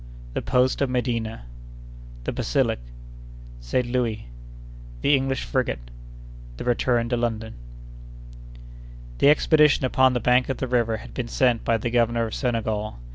—The Post of Medina.—The Basilic.—Saint Louis.—The English Frigate.—The Return to London. The expedition upon the bank of the river had been sent by the governor of Senegal.